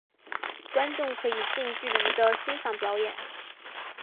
观众可以近距离地欣赏表演。